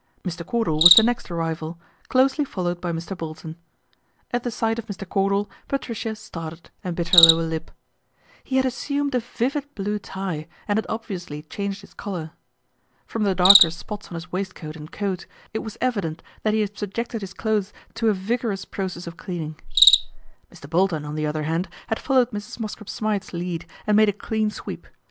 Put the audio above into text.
Mr. Cordal was the next arrival, closely followed by Mr. Bolton. At the sight of Mr. Cordal Patricia started PATRICIA'S REVENGE 69 and bit her lower lip. He had assumed a vivid blue tie, and had obviously changed his collar. From the darker spots on his waistcoat and coat it was evident that he had subjected his clothes to a vigorious process of cleaning. Mr. Bolton, on the other hand, had followed Mrs. Mosscrop Smythe's lead, and made a clean sweep.